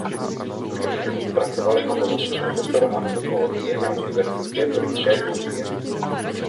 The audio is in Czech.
Green pracoval jako pomocný profesor antropologie na Univerzitě Britské Kolumbie.